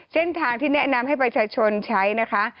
เส้นทางที่แนะนำให้ประชาชนใช้นะคะ